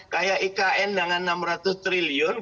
kayak ikn dengan enam ratus triliun